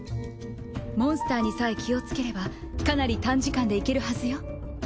モンスターにさえ気をつければかなり短時間で行けるはずよ。